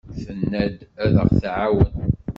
Tenna-d ad aɣ-tɛawen.